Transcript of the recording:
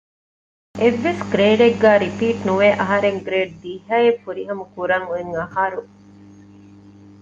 އެއްވެސް ގްރޭޑެއްގައި ރިޕީޓް ނުވެ އަހަރެން ގްރޭޑް ދިހައެއް ފުރިހަމަ ކުރަން އޮތްއަހަރު